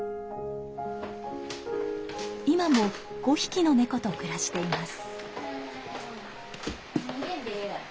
今も５匹の猫と暮らしています。